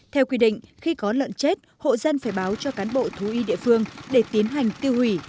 theo quy định khi có lợn chết hộ dân phải báo cho cán bộ thú y địa phương để tiến hành tiêu hủy